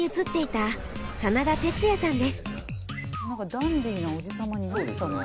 ダンディーなおじ様になったな。